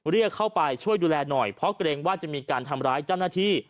เรียกเข้าไปช่วยดูแลหน่อยเพราะเกรงว่าจะมีการทำร้ายเจ้าหน้าที่